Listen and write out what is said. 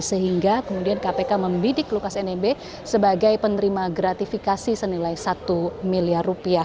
sehingga kemudian kpk membidik lukas nmb sebagai penerima gratifikasi senilai satu miliar rupiah